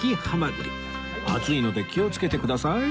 熱いので気をつけてください